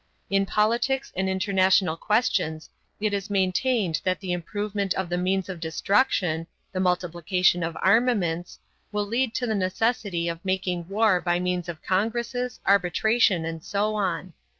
In politics and international questions it is maintained that the improvement of the means of destruction, the multiplication of armaments, will lead to the necessity of making war by means of congresses, arbitration, and so on.